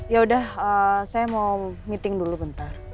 yaudah saya mau meeting dulu bentar